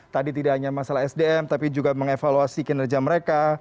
tadi tidak hanya masalah sdm tapi juga mengevaluasi kinerja mereka